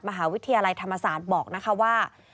มหาวิทยาลัยธรรมศาสตร์บอกนะคะว่า